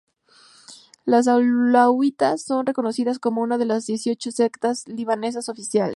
Los alauitas son reconocidos como una de las dieciocho sectas libanesas oficiales.